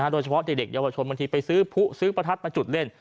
โดยเฉพาะเด็กเยาวชนบางทีไปซื้อผู้ซื้อประทัดมาจุดเล่น